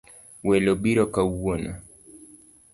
Welo biro kawuono